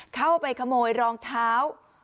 เข้าไปขโมยรองเท้า